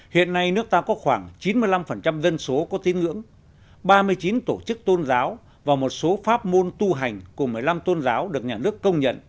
hiện nay nước ta có khoảng chín mươi năm dân số có tiếng ngưỡng ba mươi chín tổ chức tôn giáo và một số pháp môn tu hành của một mươi năm tôn giáo được nhà nước công nhận